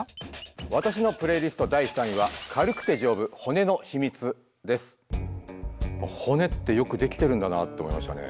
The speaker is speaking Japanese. わたしのプレイリスト第３位は骨ってよくできてるんだなって思いましたね。